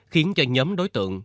khiến cho nhóm đối tượng